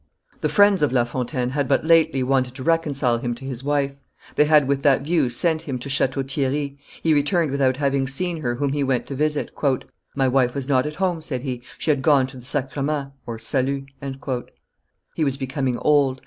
The friends, of La Fontaine had but lately wanted to reconcile him to his wife. They had with that view sent him to Chateau Thierry; he returned without having seen her whom he went to visit. "My wife was not at home," said he; "she had gone to the sacrament (au salut)." He was becoming old.